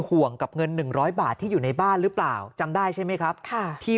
ห่วงกับเงิน๑๐๐บาทที่อยู่ในบ้านหรือเปล่าจำได้ใช่ไหมครับที่